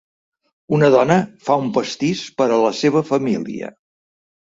Una dona fa un pastís per a la seva família.